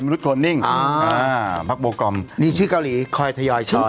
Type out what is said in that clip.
นี่ชื่อเกามนี้คอยหยอยชอย